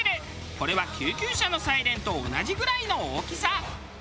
これは救急車のサイレンと同じぐらいの大きさ。